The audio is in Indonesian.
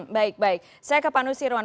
baik baik saya ke panu sirwan